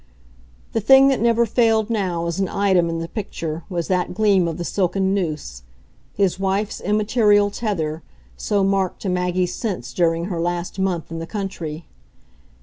The thing that never failed now as an item in the picture was that gleam of the silken noose, his wife's immaterial tether, so marked to Maggie's sense during her last month in the country.